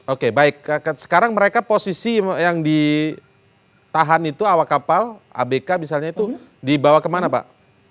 oke baik sekarang mereka posisi yang ditahan itu awak kapal abk misalnya itu dibawa kemana pak